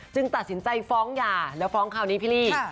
จึงตัดสินใจฟ้องใหญ่แล้วฟ้องคราวนี้พีเรีย